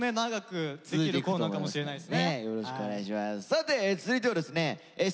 さて続いてはですね